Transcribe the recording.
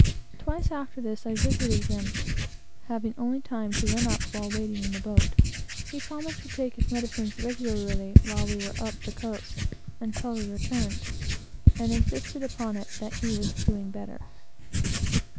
Twice, after this, I visited him, having only time to run up, while waiting in the boat. He promised to take his medicines regularly until we returned, and insisted upon it that he was doing better.